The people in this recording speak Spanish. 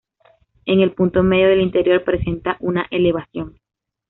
En el punto medio del interior presenta una elevación.